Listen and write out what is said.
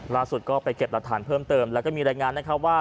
ล่าสุดก็ไปเก็บหลักฐานเพิ่มเติมแล้วก็มีรายงานนะครับว่า